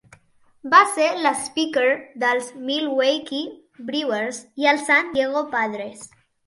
Va ser l'speaker dels Milwaukee Brewers i els San Diego Padres.